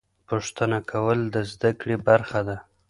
پوښتنه کول د زده کړې برخه ده.